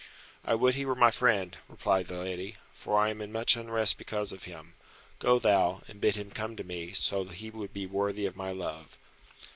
"I would he were my friend," replied the lady, "for I am in much unrest because of him. Go thou, and bid him come to me, so he would be worthy of my love."